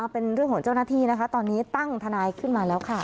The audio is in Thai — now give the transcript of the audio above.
เป็นเรื่องของเจ้าหน้าที่นะคะตอนนี้ตั้งทนายขึ้นมาแล้วค่ะ